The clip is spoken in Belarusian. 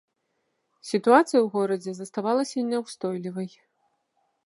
Сітуацыя ў горадзе заставалася няўстойлівай.